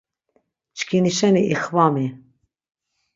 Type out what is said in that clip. Çkini şeni ixvami.